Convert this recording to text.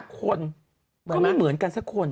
คนก็ไม่เหมือนกันสักคน